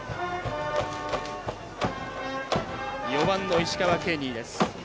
４番の石川ケニーです。